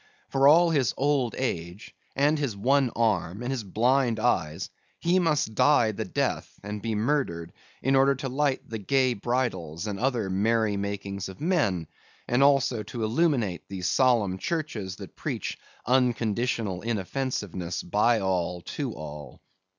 For all his old age, and his one arm, and his blind eyes, he must die the death and be murdered, in order to light the gay bridals and other merry makings of men, and also to illuminate the solemn churches that preach unconditional inoffensiveness by all to all.